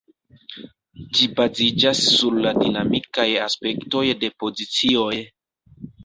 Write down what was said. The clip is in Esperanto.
Ĝi baziĝas sur la dinamikaj aspektoj de pozicioj.